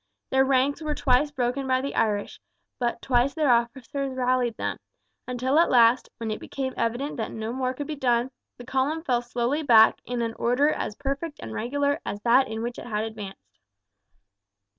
Their ranks were twice broken by the Irish, but twice their officers rallied them; until at last, when it became evident that no more could be done, the column fell slowly back in an order as perfect and regular as that in which it had advanced.